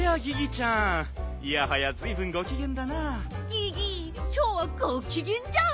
ギギきょうはごきげんじゃん。